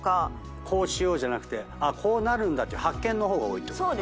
こうしようじゃなくてこうなるんだって発見の方が多いってことかな。